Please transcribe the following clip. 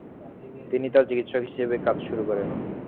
তিনি তার চিকিৎসক হিসেবে কাজ শুরু করেন।